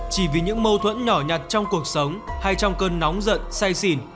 chỉ vì những mâu thuẫn nhỏ nhặt trong cuộc sống hay trong cơn nóng giận say xỉn